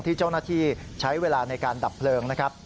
ที่เจ้าหน้าที่ใช้เวลาในการดับเพลิงนะครับ